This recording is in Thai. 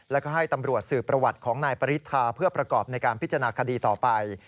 แล้วก็ให้ตำรวจสืบประวัติของนายปริธาเพื่อประกอบในการพิจารณาคดีต่อไป